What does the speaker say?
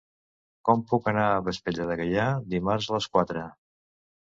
Com puc anar a Vespella de Gaià dimarts a les quatre?